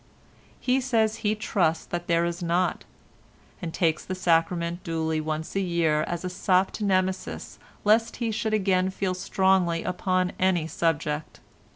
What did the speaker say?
He says he trusts that there is not, and takes the sacrament duly once a year as a sop to Nemesis lest he should again feel strongly upon any subject.